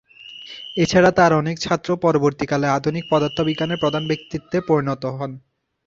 এছাড়া তার অনেক ছাত্র পরবর্তীকালে আধুনিক পদার্থবিজ্ঞানের প্রধান ব্যক্তিত্বে পরিণত হন।